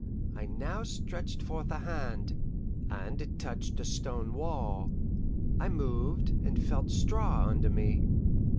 I now stretched forth a hand, and it touched a stone wall; I moved, and felt straw under me.